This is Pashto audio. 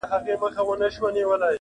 ځوانیمرګي ځوانۍ ځه مخته دي ښه شه!.